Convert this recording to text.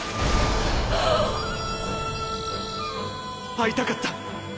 会いたかった！